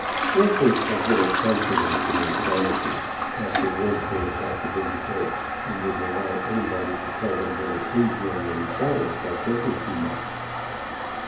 Merchants have little confidence in their promises, after once they have got the big head, and wouldn't allow anybody to tell them they were injur ing themselves by drinking too much.